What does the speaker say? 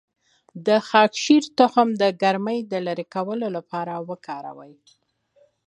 د خاکشیر تخم د ګرمۍ د لرې کولو لپاره وکاروئ